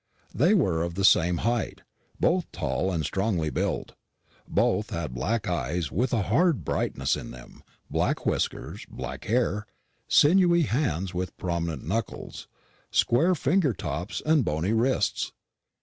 They were of the same height both tall and strongly built. Both had black eyes with a hard brightness in them, black whiskers, black hair, sinewy hands with prominent knuckles, square finger tops, and bony wrists.